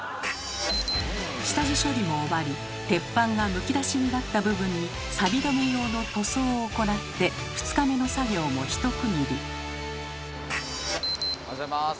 下地処理も終わり鉄板がむき出しになった部分にサビ止め用の塗装を行って２日目の作業もひと区切り。おはようございます。